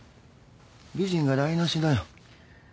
美人が台無しだよ。